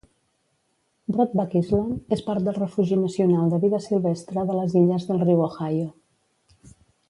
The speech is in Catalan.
Broadback Island és part del refugi nacional de vida silvestre de les illes del riu Ohio.